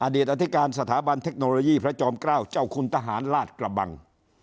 อดีตอธิการสถาบันเทคโนโลยีพระจอม๙เจ้าคุณทหารราชกระบัง